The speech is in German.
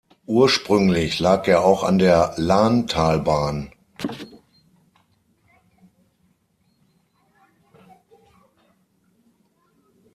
Ursprünglich lag er auch an der Lahntalbahn.